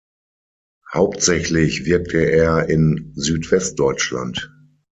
Hauptsächlich wirkte er in Südwestdeutschland.